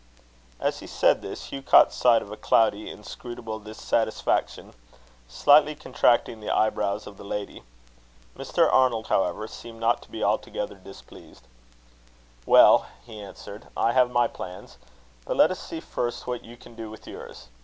As he said this, Hugh caught sight of a cloudy, inscrutable dissatisfaction slightly contracting the eyebrows of the lady. Mr. Arnold, however, seemed not to be altogether displeased. "Well," he answered, "I have my plans; but let us see first what you can do with yours.